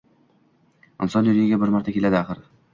Inson dunyoga bir marta keladi, axir